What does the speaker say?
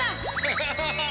ハハハハ。